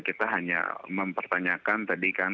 kita hanya mempertanyakan tadi kan